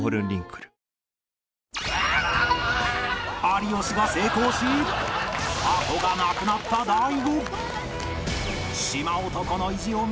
有吉が成功しあとがなくなった大悟